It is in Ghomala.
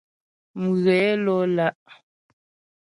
Mghě ló lá'.